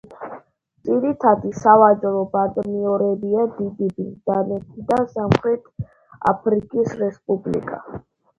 ძირითადი სავაჭრო პარტნიორებია: დიდი ბრიტანეთი და სამხრეთ აფრიკის რესპუბლიკა.